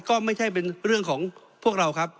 ก็ไม่ใช่เป็นเรื่องของพวกเราครับ